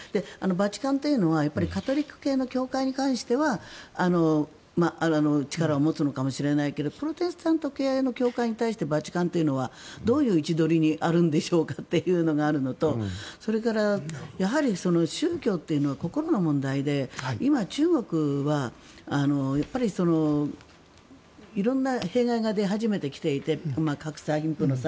バチカンというのはカトリック系の教会に関しては力を持つかもしれないけどプロテスタント系の教会に関してはバチカンというのはどういう位置取りにあるんでしょうかというのがあるのとそれからやはり宗教というのは心の問題で今、中国は色んな弊害が出始めてきていて格差、貧富の差